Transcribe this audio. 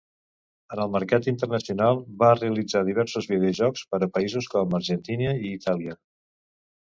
En el mercat internacional, va realitzar diversos videojocs per a països com Argentina i Itàlia.